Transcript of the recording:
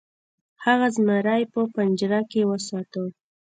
هغه زمری په پنجره کې وساته.